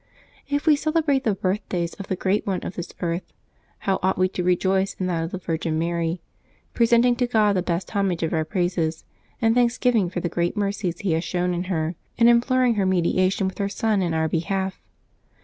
If we celebrate the birthdays of the great ones of this earth, how ought we to rejoice in that of the Virgin Mary, pre senting to God the best homage of our praises and thanks giving for the great mercies He has shown in her, afidrim ploring her mediation with her Son in our behalf